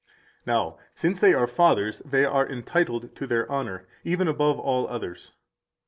Now, 160 since they are fathers they are entitled to their honor, even above all others.